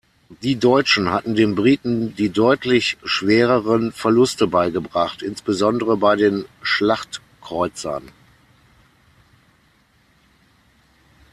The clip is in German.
Die Deutschen hatten den Briten die deutlich schwereren Verluste beigebracht, insbesondere bei den Schlachtkreuzern.